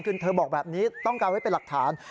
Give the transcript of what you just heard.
คือเธอบอกแบบนี้ต้องการไว้เป็นหลักฐาน